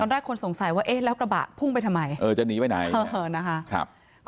แรกคนสงสัยว่าเอ๊ะแล้วกระบะพุ่งไปทำไมเออจะหนีไปไหนเออนะคะ